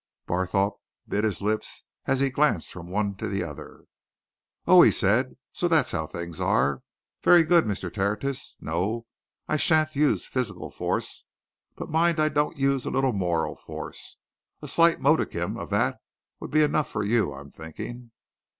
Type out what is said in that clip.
Barthorpe bit his lips as he glanced from one to the other. "Oh!" he said. "So that's how things are? Very good, Mr. Tertius. No, I shan't use physical force. But mind I don't use a little moral force a slight modicum of that would be enough for you, I'm thinking!"